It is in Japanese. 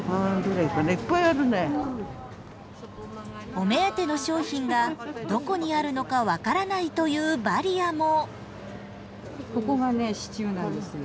お目当ての商品がどこにあるのか分からないというバリアも。